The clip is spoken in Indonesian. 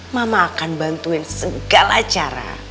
mama akan bantuin segala cara